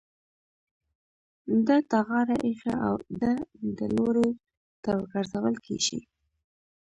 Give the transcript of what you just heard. ده ته غاړه ايښې او د ده لوري ته ورگرځول كېږي.